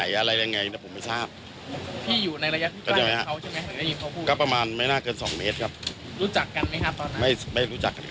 เขาคุยกับใครครับพี่